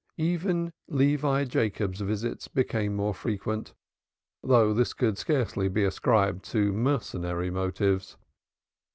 Even Levi Jacob's visits became more frequent, though this could scarcely be ascribed to mercenary motives.